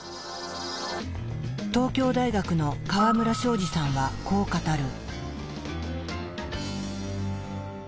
東京大学の河村正二さんはこう語る。